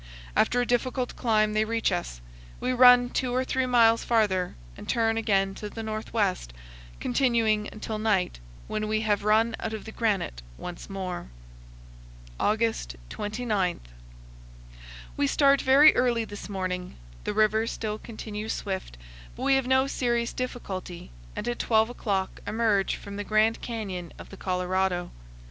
After a difficult climb they reach us. We run two or three miles farther and turn again to the northwest, continuing until night, when we have run out of the granite once more. August 29. We start very early this morning. The river still continues swift, but we have no serious difficulty, and at twelve o'clock emerge from the Grand Canyon of the Colorado.